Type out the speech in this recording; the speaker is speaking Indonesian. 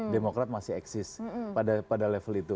demokrat masih eksis pada level itu